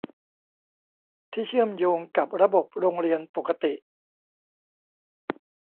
ที่เชื่อมโยงกับระบบโรงเรียนปกติ